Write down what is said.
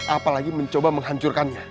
apalagi mencoba menghancurkannya